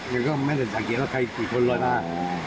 แต่ก็ไม่ได้สังเกตเจอะอยู่กี่คนล้อยมา